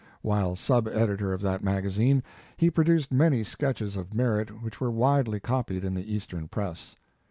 While sub editor of that magazine he produced many sketches of merit which were widely copied in the Eastern press.